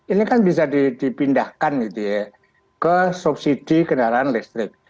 ini kan bisa dipindahkan ke subsidi kendaraan listrik